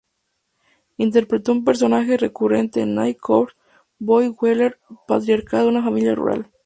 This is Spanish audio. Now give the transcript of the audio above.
Interpretó un personaje recurrente en Night Court, Bob Wheeler, patriarca de una familia rural.